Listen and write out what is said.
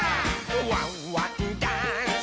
「ワンワンダンス！」